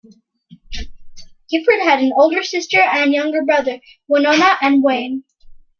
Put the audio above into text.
Gifford had an older sister and younger brother, Winona and Waine.